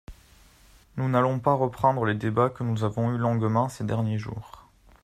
Nous n’allons pas reprendre les débats que nous avons eus longuement ces derniers jours.